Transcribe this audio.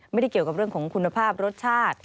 ไม่ได้เกี่ยวกับเรื่องของคุณภาพรสชาติ